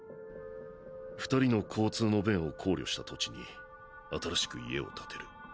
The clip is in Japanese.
２人の交通の便を考慮した土地に新しく家を建てる。